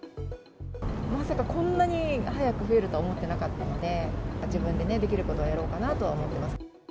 まさかこんなに早く増えると思っていなかったので、自分でね、できることはやろうかなと思ってます。